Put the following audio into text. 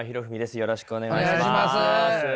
よろしくお願いします。